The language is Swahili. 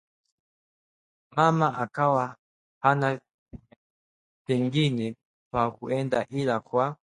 Mama akawa hana pengine pa kuenda ila kwa